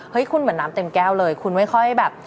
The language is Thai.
คุณเหมือนน้ำเต็มแก้วเลยคุณไม่ค่อยแบบ